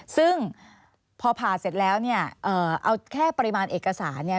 ซึ่งพอผ่าเสร็จแล้วเนี่ยเอาแค่ปริมาณเอกสารเนี่ย